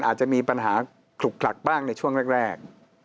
อาจจะมีปัญหาขลุกคลักบ้างในช่วงแรก